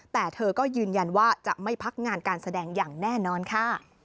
แต่เธอก็ยืนยันว่าจะไม่พักงานการแสดงอย่างแน่นอนค่ะ